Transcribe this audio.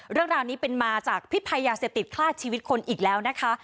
เรื่องราวนี้เป็นมาจากพิษภัยยาเสพติดคลาดชีวิตคนอีกแล้วนะคะ